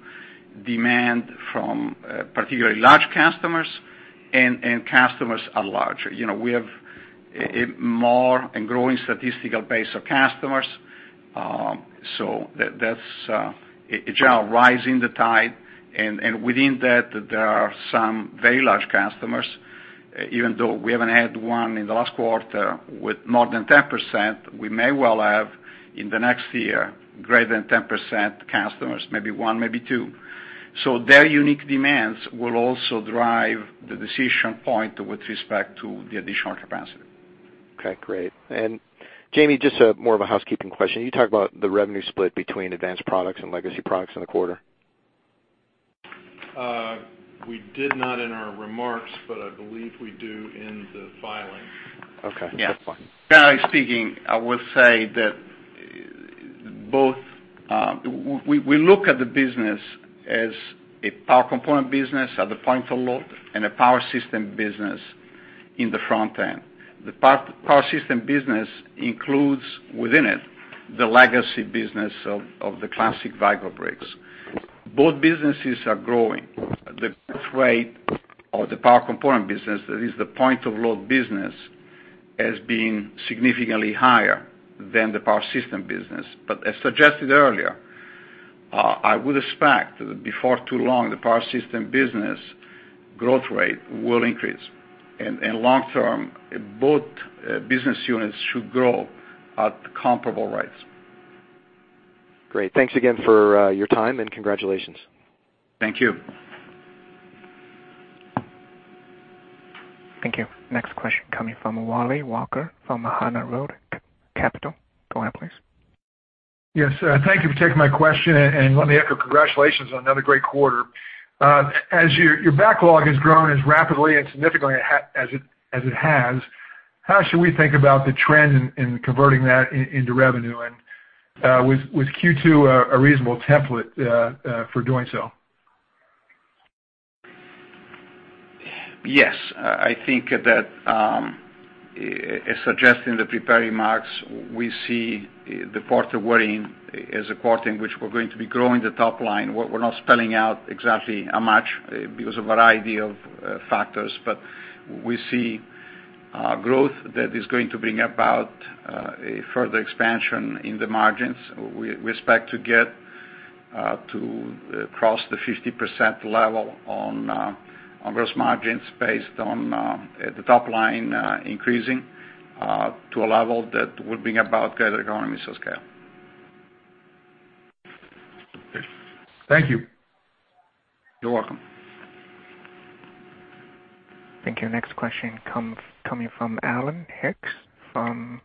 [SPEAKER 3] demand from particularly large customers and customers at large. We have a more and growing statistical base of customers, so that's in general, rising the tide. Within that, there are some very large customers. Even though we haven't had one in the last quarter with more than 10%, we may well have in the next year, greater than 10% customers, maybe one, maybe two. Their unique demands will also drive the decision point with respect to the additional capacity.
[SPEAKER 4] Okay, great. Jamie, just more of a housekeeping question. You talked about the revenue split between advanced products and legacy products in the quarter.
[SPEAKER 2] We did not in our remarks, but I believe we do in the filing.
[SPEAKER 4] Okay. That's fine.
[SPEAKER 3] Generally speaking, I would say that we look at the business as a power component business at the point-of-load, and a power system business in the front end. The power system business includes within it the legacy business of the classic Vicor bricks. Both businesses are growing. The growth rate of the power component business, that is, the point-of-load business, as being significantly higher than the power system business. As suggested earlier, I would expect that before too long, the power system business growth rate will increase. Long-term, both business units should grow at comparable rates.
[SPEAKER 4] Great. Thanks again for your time, congratulations.
[SPEAKER 3] Thank you.
[SPEAKER 1] Thank you. Next question coming from Wally Walker from Hana Road Capital. Go ahead, please.
[SPEAKER 9] Yes, thank you for taking my question. Let me echo congratulations on another great quarter. As your backlog has grown as rapidly and significantly as it has, how should we think about the trend in converting that into revenue with Q2 a reasonable template for doing so?
[SPEAKER 3] Yes. I think that, as suggested in the prepared remarks, we see the quarter we're in as a quarter in which we're going to be growing the top line. We're not spelling out exactly how much, because a variety of factors. We see growth that is going to bring about a further expansion in the margins. We expect to get to across the 50% level on gross margins based on the top line increasing, to a level that would bring about better economies of scale.
[SPEAKER 9] Thank you.
[SPEAKER 3] You're welcome.
[SPEAKER 1] Thank you. Next question coming from Alan Hicks from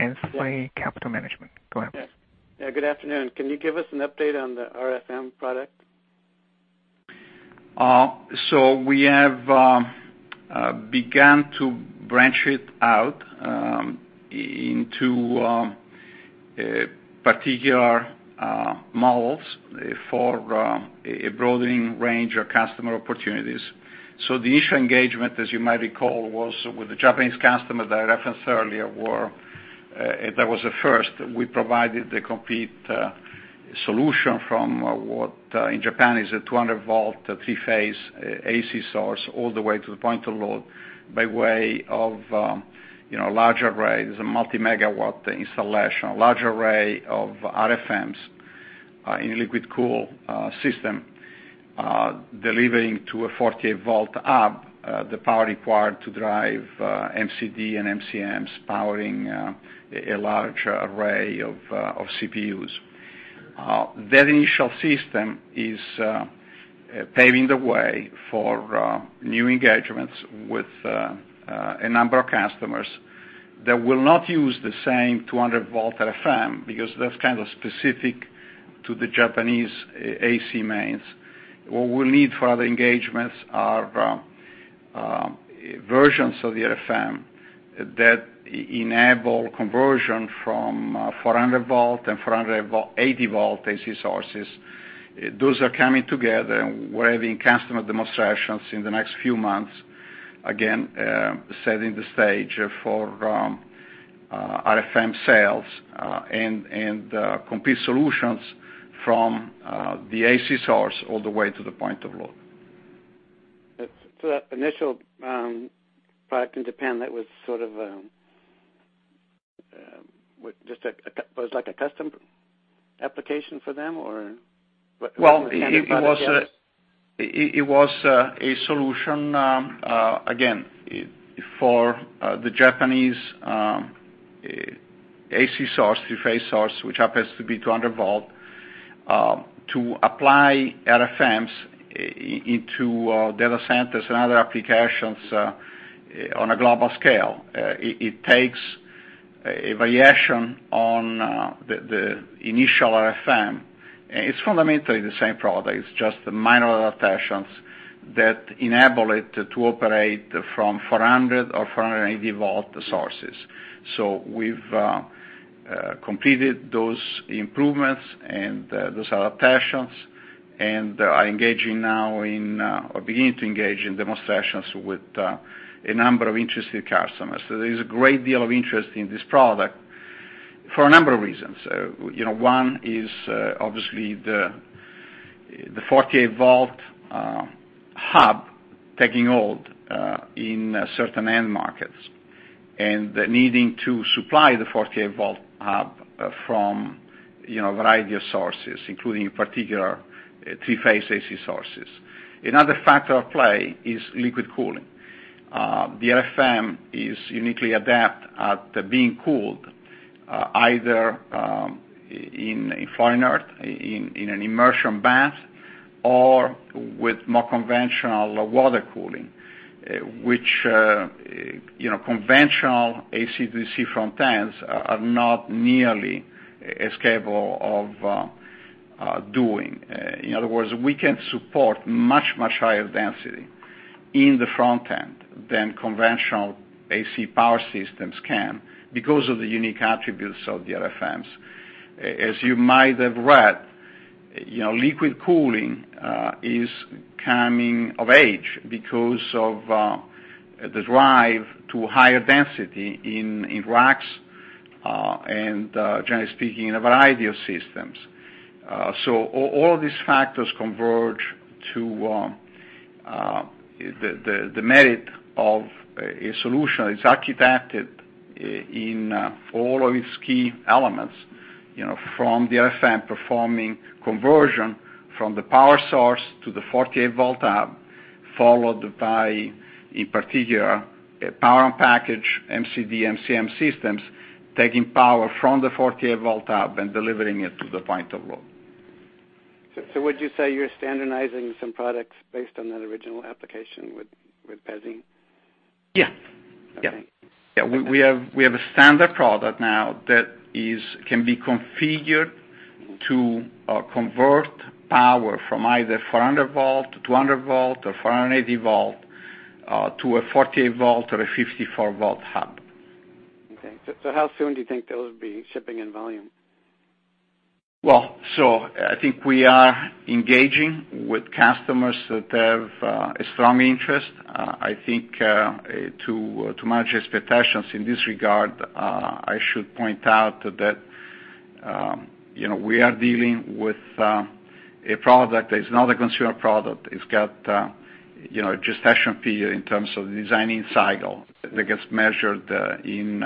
[SPEAKER 1] NCY Capital Management. Go ahead, please.
[SPEAKER 10] Yeah, good afternoon. Can you give us an update on the RFM product?
[SPEAKER 3] We have begun to branch it out into particular models for a broadening range of customer opportunities. The initial engagement, as you might recall, was with the Japanese customer that I referenced earlier, where that was the first. We provided the complete solution from what, in Japan, is a 200-volt three-phase AC source, all the way to the point of load, by way of a large array. There's a multi-megawatt installation, a large array of RFMs in a liquid-cooled system, delivering to a 48-volt hub, the power required to drive MCD and MCMs powering a large array of CPUs. That initial system is paving the way for new engagements with a number of customers that will not use the same 200-volt RFM, because that's kind of specific to the Japanese AC mains. What we'll need for other engagements are versions of the RFM that enable conversion from 400 volt and 480 volt AC sources. Those are coming together, and we're having customer demonstrations in the next few months, again, setting the stage for RFM sales and complete solutions from the AC source all the way to the point of load.
[SPEAKER 10] That initial product in Japan, that was like a custom application for them, or what kind of product was that?
[SPEAKER 3] Well, it was a solution, again, for the Japanese AC source, three-phase source, which happens to be 200 volt, to apply RFMs into data centers and other applications on a global scale. It takes a variation on the initial RFM. It's fundamentally the same product, it's just the minor adaptations that enable it to operate from 400 or 480 volt sources. We've completed those improvements and those adaptations and are engaging now in, or beginning to engage in, demonstrations with a number of interested customers. There is a great deal of interest in this product for a number of reasons. One is obviously the 48-volt hub taking hold in certain end markets, and needing to supply the 48-volt hub from a variety of sources, including, in particular, three-phase AC sources. Another factor at play is liquid cooling. The RFM is uniquely adept at being cooled, either in a Fluorinert, in an immersion bath, or with more conventional water cooling, which conventional AC/DC front ends are not nearly as capable of doing. In other words, we can support much, much higher density in the front end than conventional AC power systems can, because of the unique attributes of the RFMs. As you might have read, liquid cooling is coming of age because of the drive to higher density in racks, and generally speaking, in a variety of systems. All these factors converge to the merit of a solution that's architected in all of its key elements, from the RFM performing conversion from the power source to the 48-volt hub, followed by, in particular, a Power-on-Package MCD, MCM systems, taking power from the 48-volt hub and delivering it to the point-of-load.
[SPEAKER 10] Would you say you're standardizing some products based on that original application with PEZY?
[SPEAKER 3] Yeah.
[SPEAKER 10] Okay.
[SPEAKER 3] Yeah. We have a standard product now that can be configured to convert power from either 400 volt to 200 volt or 480 volt, to a 48 volt or a 54 volt hub.
[SPEAKER 10] Okay. How soon do you think those will be shipping in volume?
[SPEAKER 3] Well, I think we are engaging with customers that have a strong interest. I think, to manage expectations in this regard, I should point out that we are dealing with a product that is not a consumer product. It's got a gestation period in terms of the design-in cycle that gets measured in,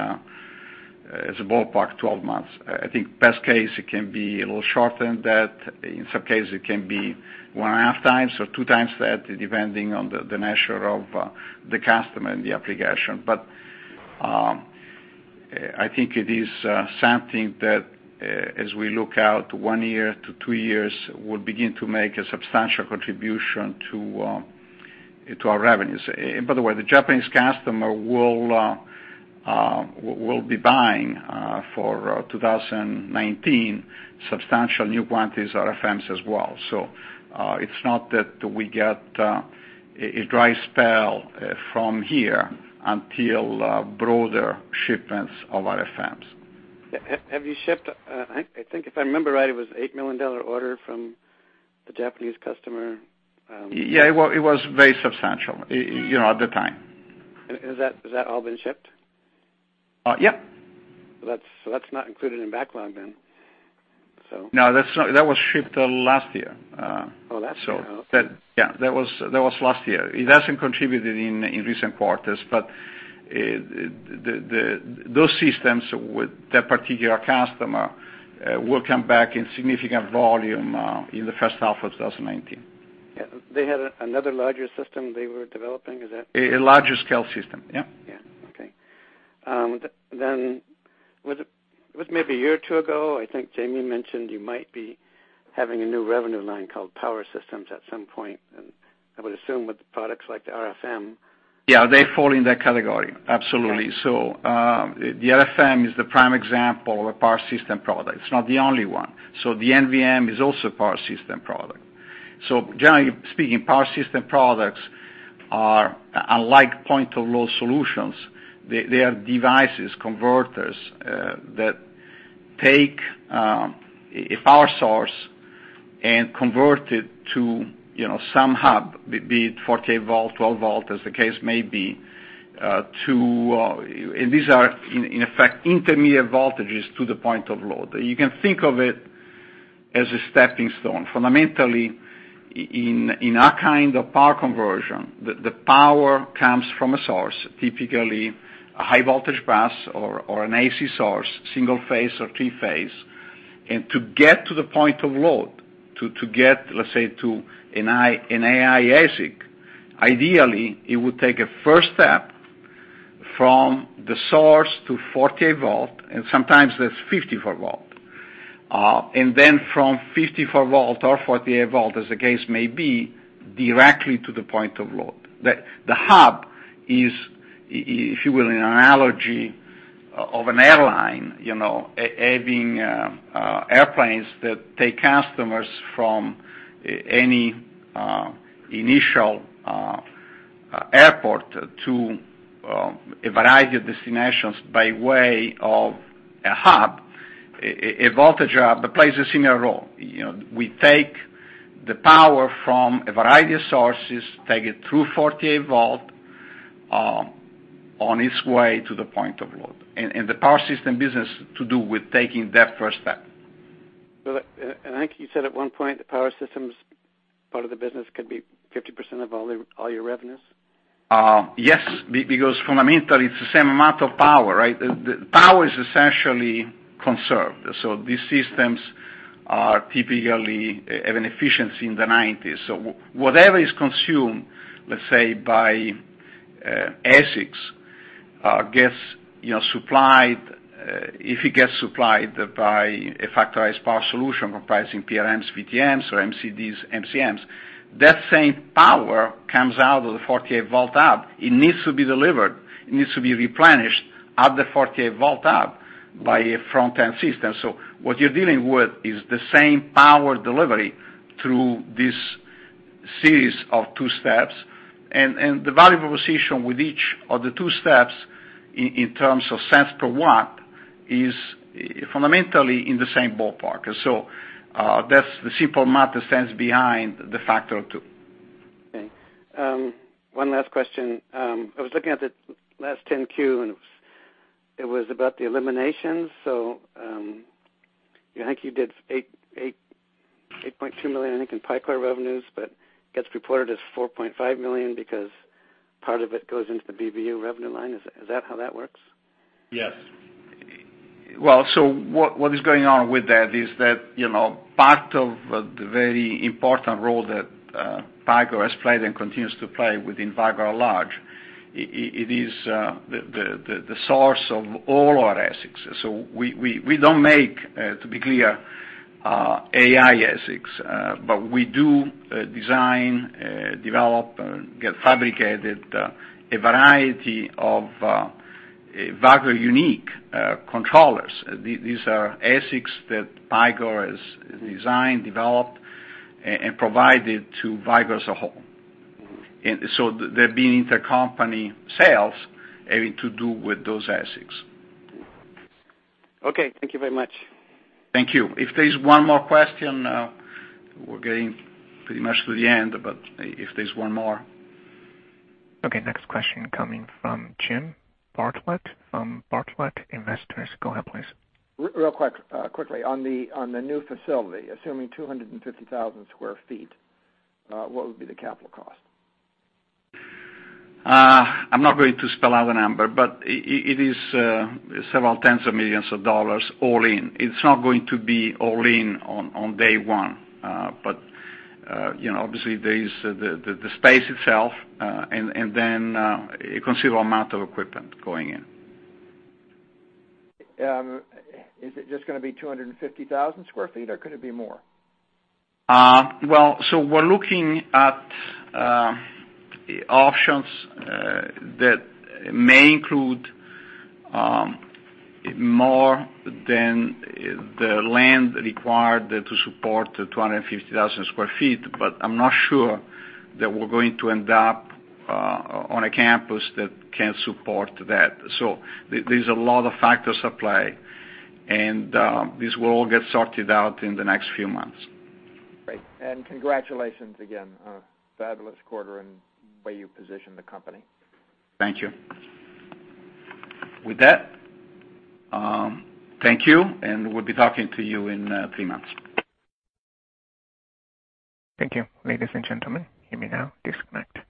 [SPEAKER 3] as a ballpark, 12 months. I think best case, it can be a little shorter than that. In some cases, it can be one and a half times or 2 times that, depending on the nature of the customer and the application. I think it is something that, as we look out to 1 year to 2 years, will begin to make a substantial contribution to our revenues. By the way, the Japanese customer will be buying, for 2019, substantial new quantities of RFMs as well. It's not that we get a dry spell from here until broader shipments of RFMs.
[SPEAKER 10] Have you shipped, I think if I remember right, it was $8 million order from the Japanese customer?
[SPEAKER 3] Yeah, it was very substantial at the time.
[SPEAKER 10] Has that all been shipped?
[SPEAKER 3] Yep.
[SPEAKER 10] That's not included in backlog then.
[SPEAKER 3] No, that was shipped last year.
[SPEAKER 10] Oh, that's-
[SPEAKER 3] Yeah, that was last year. It hasn't contributed in recent quarters, but those systems with that particular customer will come back in significant volume in the first half of 2019.
[SPEAKER 10] Yeah. They had another larger system they were developing. Is that-
[SPEAKER 3] A larger scale system. Yeah.
[SPEAKER 10] Yeah. Okay. Was it maybe a year or two ago, I think Jamie mentioned you might be having a new revenue line called Power Systems at some point, and I would assume with the products like the RFM.
[SPEAKER 3] Yeah, they fall in that category. Absolutely.
[SPEAKER 10] Okay.
[SPEAKER 3] The RFM is the prime example of a power system product. It's not the only one. The NBM is also a power system product. Generally speaking, power system products are unlike point-of-load solutions. They are devices, converters, that take a power source and convert it to some hub, be it 48 volt, 12 volt as the case may be, and these are in effect intermediate voltages to the point-of-load. You can think of it as a stepping stone. Fundamentally, in our kind of power conversion, the power comes from a source, typically a high voltage bus or an AC source, single-phase or three-phase. To get to the point-of-load, to get, let's say, to an AI ASIC, ideally, it would take a first step from the source to 48 volt, and sometimes that's 54 volt. From 54 volt or 48 volt, as the case may be, directly to the point-of-load. The hub is, if you will, an analogy of an airline, having airplanes that take customers from any initial airport to a variety of destinations by way of a hub. A voltage hub that plays a similar role. We take the power from a variety of sources, take it through 48 volt, on its way to the point-of-load. The power system business to do with taking that first step.
[SPEAKER 10] I think you said at one point the power systems part of the business could be 50% of all your revenues?
[SPEAKER 3] Yes, because fundamentally, it's the same amount of power, right? Power is essentially conserved. These systems typically have an efficiency in the 90s. Whatever is consumed, let's say, by ASICs, if it gets supplied by a Factorized Power solution comprising PRM, VTMs, or MCDs, MCMs, that same power comes out of the 48 volt hub. It needs to be delivered. It needs to be replenished at the 48 volt hub by a front-end system. What you're dealing with is the same power delivery through this series of two steps, and the value proposition with each of the two steps in terms of cents per watt, is fundamentally in the same ballpark. That's the simple math that stands behind the factor of two.
[SPEAKER 10] Okay. One last question. I was looking at the last Form 10-Q, it was about the eliminations. I think you did $8.2 million, I think, in Picor revenues, but gets reported as $4.5 million because part of it goes into the BBU revenue line. Is that how that works?
[SPEAKER 3] What is going on with that is that, part of the very important role that Picor has played and continues to play within Vicor at large, it is the source of all our ASICs. We don't make, to be clear, AI ASICs. We do design, develop, and get fabricated a variety of Vicor-unique controllers. These are ASICs that Vicor has designed, developed, and provided to Vicor as a whole. There being intercompany sales having to do with those ASICs.
[SPEAKER 10] Thank you very much.
[SPEAKER 3] Thank you. If there's one more question, we're getting pretty much to the end, but if there's one more.
[SPEAKER 1] Next question coming from Jim Bartlett from Bartlett Investors. Go ahead, please.
[SPEAKER 11] Real quickly. On the new facility, assuming 250,000 sq ft, what would be the capital cost?
[SPEAKER 3] I'm not going to spell out a number, it is several tens of millions of dollars all in. It's not going to be all in on day one. Obviously, there is the space itself, and then a considerable amount of equipment going in.
[SPEAKER 11] Is it just going to be 250,000 sq ft, or could it be more?
[SPEAKER 3] We're looking at options that may include more than the land required to support 250,000 sq ft. I'm not sure that we're going to end up on a campus that can support that. There's a lot of factors at play, and this will all get sorted out in the next few months.
[SPEAKER 11] Great. Congratulations again. A fabulous quarter and the way you positioned the company.
[SPEAKER 3] Thank you. With that, thank you, we'll be talking to you in three months.
[SPEAKER 1] Thank you. Ladies and gentlemen, you may now disconnect.